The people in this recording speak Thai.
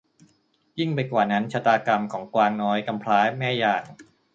ยิ่งไปกว่านั้นชะตากรรมของกวางน้อยกำพร้าแม่อย่าง